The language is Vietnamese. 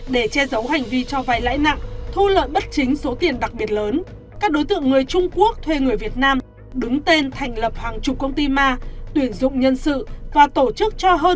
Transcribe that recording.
để che giấu hành vi cho vay lãi nặng thu lợi bất chính số tiền đặc biệt lớn các đối tượng người trung quốc thuê người việt nam đứng tên thành lập hàng chục công ty ma tuyển dụng nhân sự và tổ chức cho hơn